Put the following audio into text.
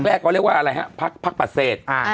แรกก็เรียกว่าอะไรฮะพักปัดเศษ